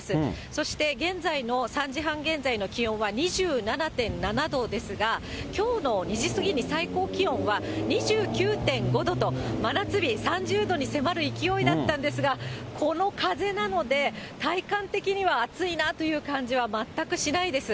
そして、現在の３時半現在の気温は２７．７度ですが、きょうの２時過ぎに最高気温は２９．５度と、真夏日、３０度に迫る勢いだったんですが、この風なので、体感的には暑いなという感じは全くしないです。